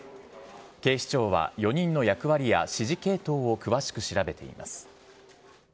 警視庁は４人の役割や指示系統を詳しく調べています。